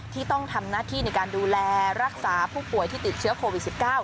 ที่ต้องทำหน้าที่ในการดูแลรักษาผู้ป่วยที่ติดเชื้อโควิด๑๙